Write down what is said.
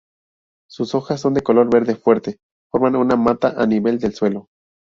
Sus hojas de color verde fuerte forman una mata a nivel del suelo.